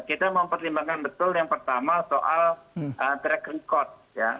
kita mempertimbangkan betul yang pertama soal track record ya